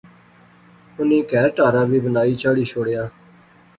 انی کہھر ٹہارا وی بنائی چاڑی شوڑیا